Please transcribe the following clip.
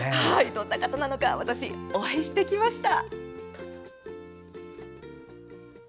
どんな方なのか私、お会いしてきました。